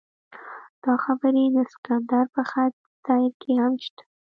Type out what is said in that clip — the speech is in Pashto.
دا خبرې د سکندر په خط سیر کې هم شته.